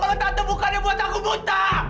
kalau tante bukan dia buat aku buta